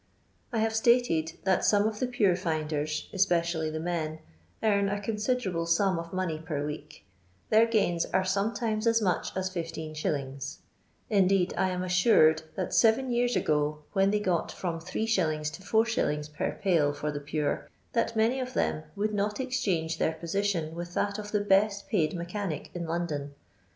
I have stated that some of the pure finders, especially the men, earn a conbiderable sum of money per week ; their gains are sometimes as mach as 15«. ; indeed I am assured that seven years ago, when they got from Zs, to At. per pail for the pure, that many of them would not exchange their position with that of the best piiid mechanic in London.